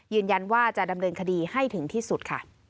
ยืนยันว่าจะดำเนินคดีให้ถึงที่สุดค่ะ